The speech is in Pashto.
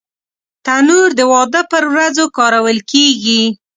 تنور د واده پر ورځو کارول کېږي